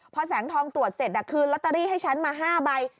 พอแสงทองตรวจเสร็จคืนลอตเตอรี่ให้ฉันมา๕ใบ